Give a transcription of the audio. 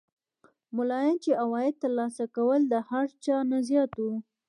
ملایانو چې عواید تر لاسه کول د هر چا نه زیات وو.